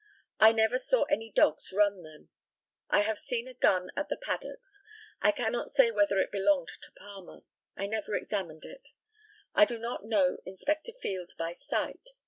I never saw any dogs "run" them. I have seen a gun at the paddocks. I cannot say whether it belonged to Palmer. I never examined it. I do not know Inspector Field by sight.